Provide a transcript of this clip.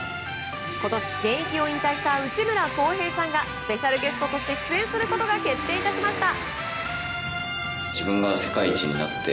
今年、現役を引退した内村航平さんがスペシャルゲストとして出演することが決定しました。